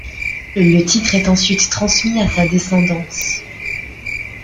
Le titre est ensuite transmis à sa descendance.